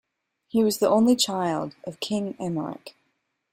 He was the only child of King Emeric.